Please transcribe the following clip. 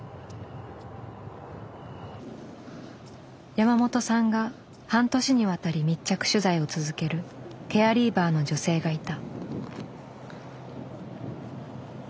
山本さんが半年にわたり密着取材を続けるケアリーバーの女性がいた。